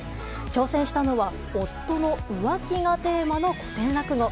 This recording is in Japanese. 挑戦したのは夫の浮気がテーマの古典落語。